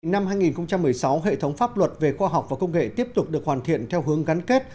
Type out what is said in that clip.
năm hai nghìn một mươi sáu hệ thống pháp luật về khoa học và công nghệ tiếp tục được hoàn thiện theo hướng gắn kết